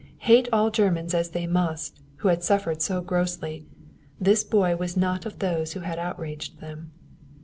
Hate all Germans as they must, who had suffered so grossly, this boy was not of those who had outraged them.